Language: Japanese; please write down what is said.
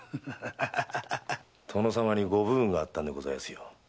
殿様にご武運があったんでございやすよ。